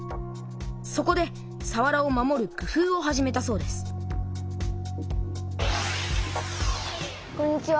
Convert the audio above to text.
そこでさわらを守るくふうを始めたそうですこんにちは。